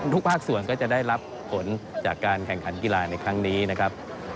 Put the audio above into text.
ภาคส่วนก็จะได้รับผลจากการแข่งขันกีฬาในครั้งนี้นะครับ